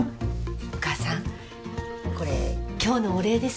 お母さんこれ今日のお礼です。